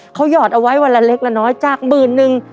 เขาหยอดเอาไว้วันละเล็กละน้อยจากหมื่นนึง